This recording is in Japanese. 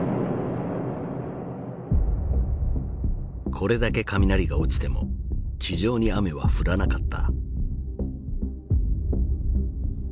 これだけ雷が落ちても地上に雨は降らなかった。